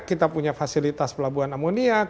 kita punya fasilitas pelabuhan amoniak